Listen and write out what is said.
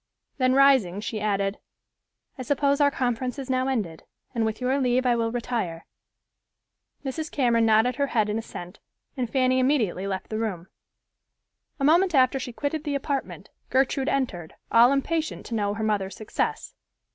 Then rising, she added, "I suppose our conference is now ended, and with your leave I will retire." Mrs. Cameron nodded her head in assent, and Fanny immediately left the room. A moment after she quitted the apartment, Gertrude entered, all impatient to know her mother's success.